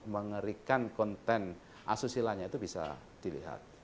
mengerikan konten asusila nya itu bisa dilihat